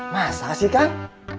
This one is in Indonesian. masa sih kang